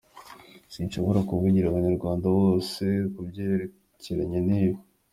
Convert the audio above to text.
Sinshobora kuvugira Abanyarwanda bose kubyerekeranye n’ibi.